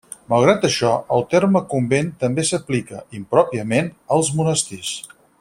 Malgrat això, el terme convent també s'aplica, impròpiament, als monestirs.